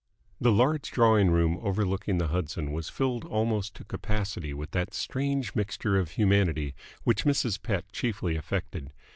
The large drawing room overlooking the Hudson was filled almost to capacity with that strange mixture of humanity which Mrs. Pett chiefly affected.